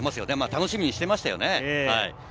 楽しみにしてましたよね。